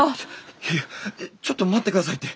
いやいやちょっと待って下さいって。